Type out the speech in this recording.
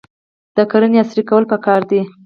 د کرنې عصري کول پکار دي.